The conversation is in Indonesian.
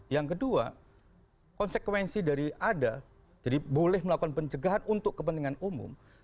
yang kedua konsekuensi dari ada jadi boleh melakukan pencegahan untuk kepentingan umum